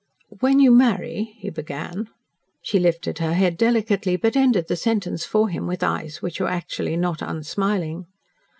"When you marry " he began. She lifted her head delicately, but ended the sentence for him with eyes which were actually not unsmiling.